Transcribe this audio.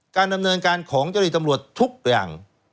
การดำเนินการของเจ้าหน้าที่ตำรวจทุกอย่าง